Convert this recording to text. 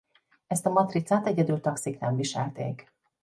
Ezt a matricát egyedül taxik nem viselték.